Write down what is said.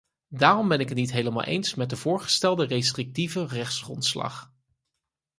Daarom ben ik het niet helemaal eens met de voorgestelde restrictieve rechtsgrondslag.